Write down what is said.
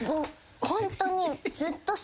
ホントに。